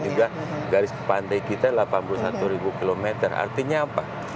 kemudian juga garis pantai kita delapan puluh satu ribu kilometer artinya apa